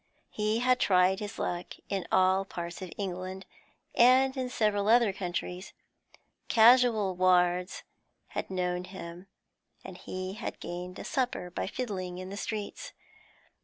He had tried his luck in all parts of England and in several other countries; casual wards had known him, and he had gained a supper by fiddling in the streets.